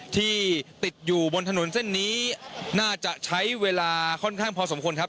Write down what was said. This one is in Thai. ที่ติดอยู่บนถนนเส้นนี้น่าจะใช้เวลาค่อนข้างพอสมควรครับ